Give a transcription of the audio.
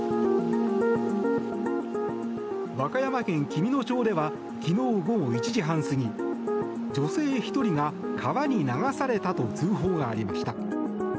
和歌山県紀美野町では昨日午後１時半過ぎ女性１人が川に流されたと通報がありました。